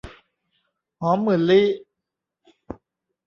หอมหมื่นลี้